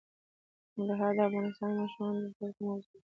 ننګرهار د افغان ماشومانو د زده کړې موضوع ده.